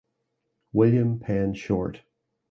William Penn Short.